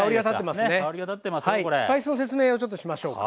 スパイスの説明をちょっとしましょうか。